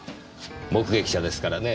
目撃者ですからねえ。